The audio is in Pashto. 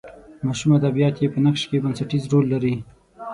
ماشوم ادبیات یې په نقش کې بنسټیز رول لري.